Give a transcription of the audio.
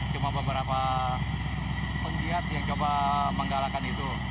cuma beberapa penggiat yang coba menggalakan itu